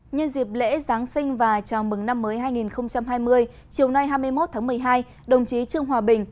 nhân dịp lễ giáng sinh và chào mừng năm mới hai nghìn hai mươi chiều nay hai mươi một tháng một mươi hai đồng chí trương hòa bình